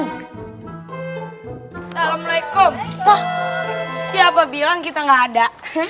assalamualaikum siapa bilang kita gak ada